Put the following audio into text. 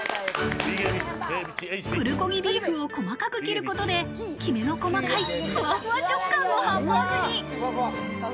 プルコギビーフを細かく切ることで、きめの細かいふわふわ食感のハンバーグに。